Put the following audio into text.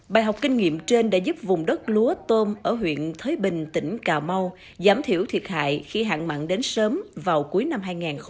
bài học kinh nghiệm trên đã giúp vùng đất lúa tôm ở huyện thới bình tỉnh cà mau giảm thiểu thiệt hại khi hạn mặn đến sớm vào cuối năm hai nghìn một mươi tám